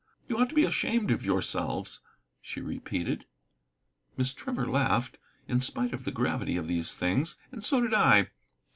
You ought to be ashamed of yourselves," she repeated. Miss Trevor laughed, in spite of the gravity of these things, and so did I.